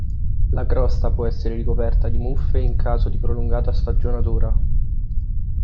La crosta può essere ricoperta di muffe in caso di prolungata stagionatura.